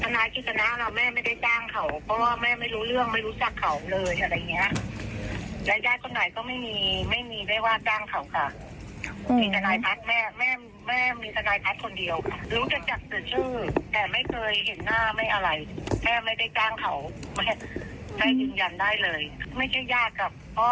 แต่ไม่เคยเห็นหน้าอะไรแม่ไม่ได้กล้างเขา